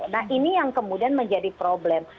nah ini yang kemudian menjadi problem